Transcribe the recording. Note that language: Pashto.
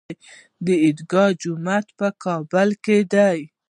د عیدګاه جومات په کابل کې دی